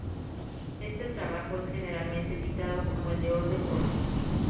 Este trabajo es generalmente citado como el "De orbe" corto.